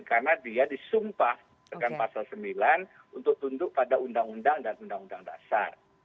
karena dia disumpah dengan pasal sembilan untuk tunduk pada undang undang dan undang undang dasar